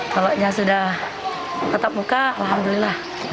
kalaunya sudah tetap muka alhamdulillah